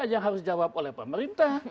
yang harus dijawab oleh pemerintah